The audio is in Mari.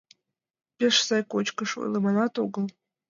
— Пеш сай кочкыш, ойлыманат огыл!